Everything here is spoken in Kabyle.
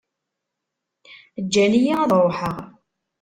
Ǧǧan-iyi ad ṛuḥeɣ.